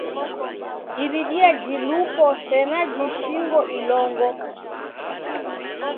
Iridia jiluko sena jishingo ilongo.